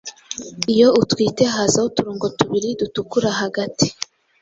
iyo itwite hazaho uturongo tubiri dutukura hagati